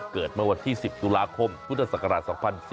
เกิดเมื่อวันที่๑๐ตุลาคมพุทธศักราช๒๔๙